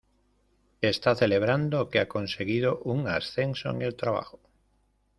Está celebrando que ha conseguido un ascenso en el trabajo.